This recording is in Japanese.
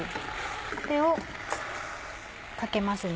これをかけますね。